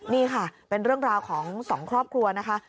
นี่ค่ะเป็นเรื่องราวของสองครอบครัวนะคะ